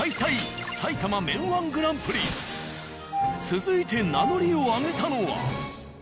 続いて名乗りを上げたのは。